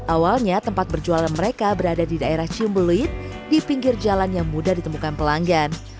awalnya tempat berjualan mereka berada di daerah ciumbeluit di pinggir jalan yang mudah ditemukan pelanggan